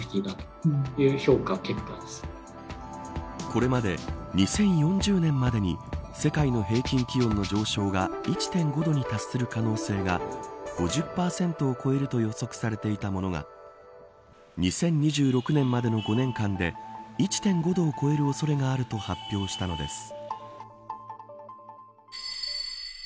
これまで２０４０年までに世界の平均気温の上昇が１．５度に達する可能性が５０％を超えると予測されていたものが２０２６年までの５年間で１．５度を超える恐れがあると発表したのです。